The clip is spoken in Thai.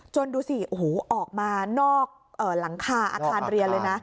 ดูสิโอ้โหออกมานอกหลังคาอาคารเรียนเลยนะ